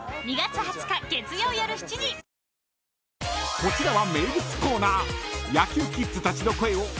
［こちらは名物コーナー］